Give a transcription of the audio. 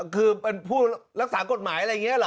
คือเป็นผู้รักษากฎหมายอะไรอย่างนี้เหรอ